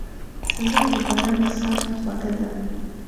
سندره د باران د څاڅکو خوږه ده